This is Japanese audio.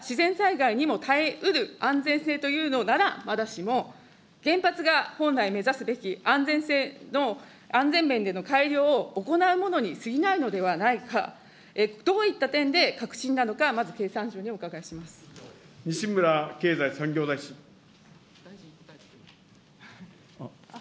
結局、この革新軽水炉はいかなる攻撃や自然災害にも耐えうる安全性というのならまだしも、原発が本来目指すべき安全性の安全面での改良を行うものにすぎないのではないか、どういった点で革新な西村経済産業大臣。